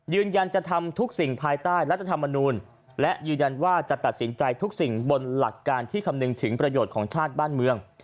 ยืนยันจะทำทุกสิ่งภายใต้รัฐธรรมนูลและยืนยันว่าจะตัดสินใจทุกสิ่งบนหลักการที่คำนึงถึงประโยชน์ของชาติบ้านเมือง